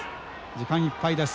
時間いっぱいです。